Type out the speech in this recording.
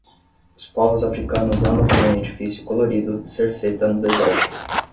Os povos africanos andam por um edifício colorido cerceta no deserto.